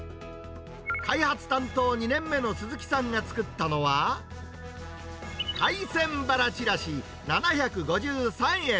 開発担当２年目の鈴木さんが作ったのは、海鮮バラちらし７５３円。